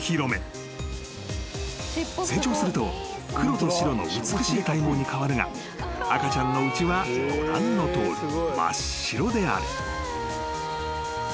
［成長すると黒と白の美しい体毛に変わるが赤ちゃんのうちはご覧のとおり真っ白である］